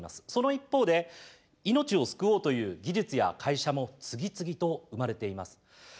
その一方で命を救おうという技術や会社も次々と生まれています。